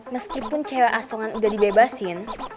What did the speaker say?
meskipun cewek asongan udah dibebasin